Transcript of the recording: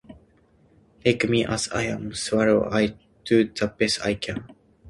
Take me as I am swear I'll do the best I can